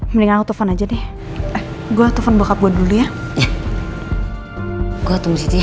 mendingan autofone aja deh gua autofone bokap gue dulu ya gue tunggu di sini ya